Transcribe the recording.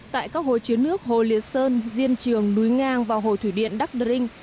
tại các hồ chứa nước hồ liệt sơn diên trường núi ngang và hồ thủy điện đắc đơ rinh